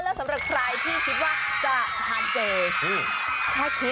แล้วสำหรับใครที่คิดว่าจะทานเจแค่คิด